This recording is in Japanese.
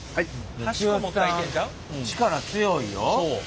力強いよ。